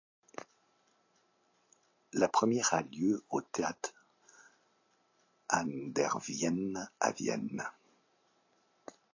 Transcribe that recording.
La première a lieu le au Theater an der Wien à Vienne.